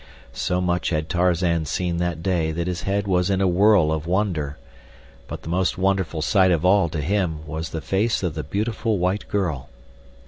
So much had Tarzan seen that day that his head was in a whirl of wonder. But the most wonderful sight of all, to him, was the face of the beautiful white girl.